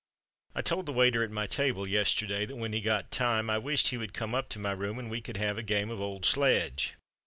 "I told the waiter at my table yesterday that when he got time I wished he would come up to my room and we could have a game of old sledge.